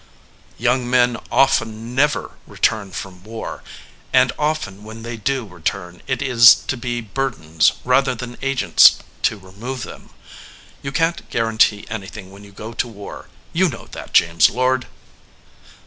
"Young men often never return from war, and often when they do return it is to be burdens rather than agents to remove them. You can t guarantee anything when you go to war you know that, James Lord."